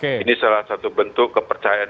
ini salah satu bentuk kepercayaan